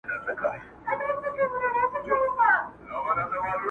زه که نه سوم ته، د ځان په رنګ دي کم،